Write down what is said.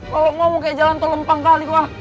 kalau mau mau kayak jalan tolong pangkal nih gua